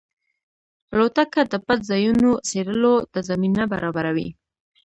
الوتکه د پټ ځایونو څېړلو ته زمینه برابروي.